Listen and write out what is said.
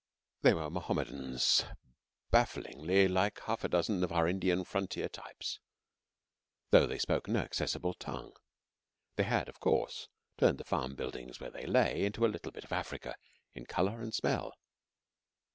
They were Mohammedans bafflingly like half a dozen of our Indian frontier types, though they spoke no accessible tongue. They had, of course, turned the farm buildings where they lay into a little bit of Africa in colour and smell.